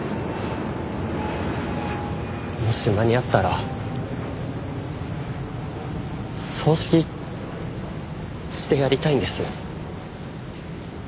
もし間に合ったら葬式してやりたいんです。